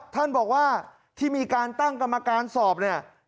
ท่านบอกว่าที่มีการตั้งกรรมการสอบเนี่ย